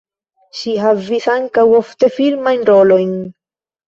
Ŝi havis ankaŭ ofte filmajn rolojn.